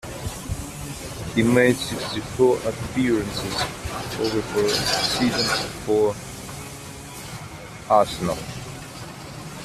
He made sixty-four appearances over four seasons for Arsenal.